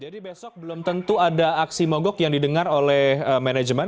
jadi besok belum tentu ada aksi mogok yang didengar oleh manajemen